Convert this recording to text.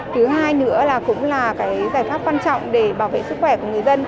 thứ hai nữa là cũng là cái giải pháp quan trọng để bảo vệ sức khỏe của người dân